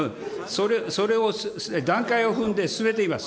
それを段階を踏んで進めています。